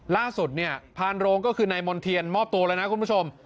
ล่าสุดเนี่ยพานโรงก็คือนายมณ์เทียนมอบตัวแล้วนะคุณผู้ชม